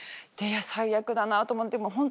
最悪だなと思って。